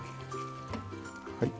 はい。